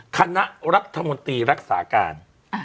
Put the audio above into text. คณะรัฐมนตรีรักษาการ